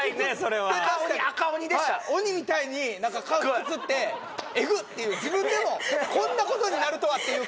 はい鬼みたいに顔引きつってエグ！っていう自分でもこんなことになるとはっていう顔してましたけど